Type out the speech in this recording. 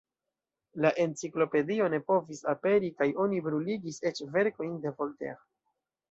La Enciklopedio ne povis aperi kaj oni bruligis eĉ verkojn de Voltaire.